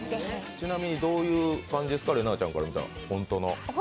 ちなみにどういう感じですか、れなぁちゃんから見たら、本当の。